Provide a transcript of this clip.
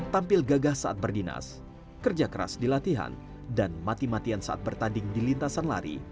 tampil gagah saat berdinas kerja keras di latihan dan mati matian saat bertanding di lintasan lari